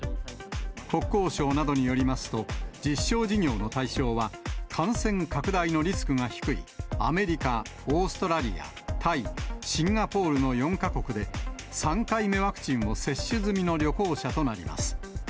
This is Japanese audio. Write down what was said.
国交省などによりますと、実証事業の対象は、感染拡大のリスクが低いアメリカ、オーストラリア、タイ、シンガポールの４か国で、３回目ワクチンを接種済みの旅行者となります。